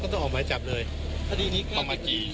จังหอมไปตรงไหนอาจารย์เอาเจ้าไอ้พักไปเอาจังไอ้พักไปเอาจังไอ้พักไป